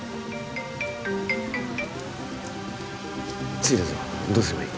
着いたぞどうすればいい？